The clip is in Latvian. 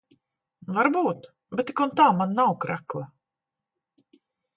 Varbūt. Bet tik un tā man nav krekla.